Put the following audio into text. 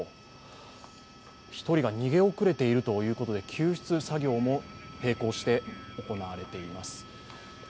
１人が逃げ遅れているということで、救出作業も並行して行われてます。